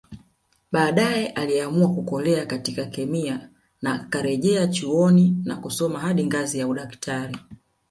Baadae aliamua kukolea katika kemia na akarejea chuoni na kusoma hadi ngazi ya udaktari